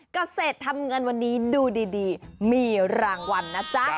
เกษตรทำเงินวันนี้ดูดีมีรางวัลนะจ๊ะ